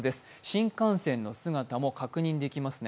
新幹線の姿も確認できますね。